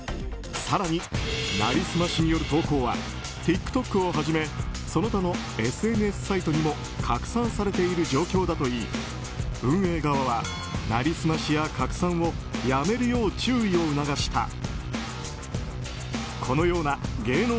更に、成り済ましによる投稿はＴｉｋＴｏｋをはじめその他のＳＮＳサイトにも拡散されている状況だといい運営側は、成り済ましや拡散を辞めるよう注意を促した。